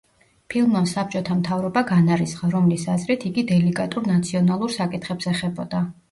ფილმმა საბჭოთა მთავრობა განარისხა, რომლის აზრით იგი დელიკატურ ნაციონალურ საკითხებს ეხებოდა.